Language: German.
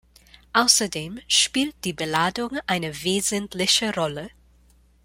Außerdem spielt die Beladung eine wesentliche Rolle.